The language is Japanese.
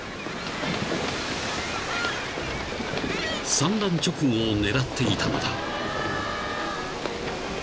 ［産卵直後を狙っていたのだ］